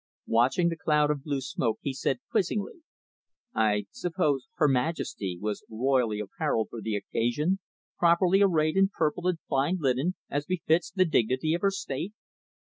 Watching the cloud of blue smoke, he said quizzingly, "I suppose 'Her Majesty' was royally apparelled for the occasion properly arrayed in purple and fine linen; as befits the dignity of her state?"